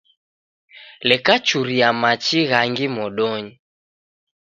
Leka churia machi ghangi modonyi